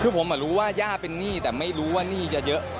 คือผมรู้ว่าย่าเป็นหนี้แต่ไม่รู้ว่าหนี้จะเยอะ